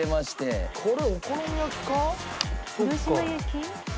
広島焼き？